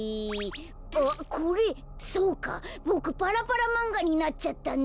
あっこれそうか！ボクパラパラまんがになっちゃったんだ。